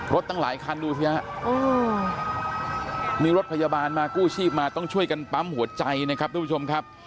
ตั้งหลายคันดูสิฮะมีรถพยาบาลมากู้ชีพมาต้องช่วยกันปั๊มหัวใจนะครับทุกผู้ชมครับ